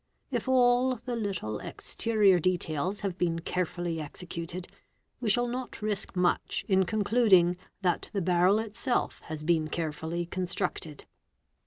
If all the little exterior details have been _ carefully executed, we shall not risk much in concluding that the barrel itself has been carefully constructed.